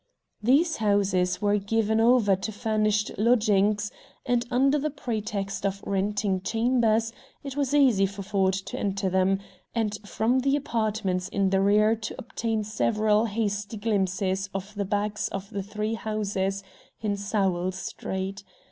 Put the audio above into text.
These houses were given over to furnished lodgings, and under the pretext of renting chambers, it was easy for Ford to enter them, and from the apartments in the rear to obtain several hasty glimpses of the backs of the three houses in Sowell Street.